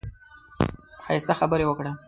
ښايسته خبرې وکړه.